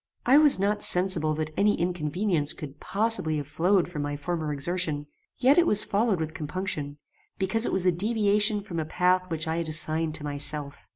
"I was not sensible that any inconvenience could possibly have flowed from my former exertion; yet it was followed with compunction, because it was a deviation from a path which I had assigned to myself.